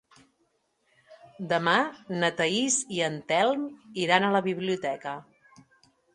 Demà na Thaís i en Telm iran a la biblioteca.